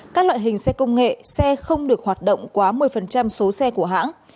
các loại hình xe công nghệ xe không được hoạt động quá một mươi số xe của hãng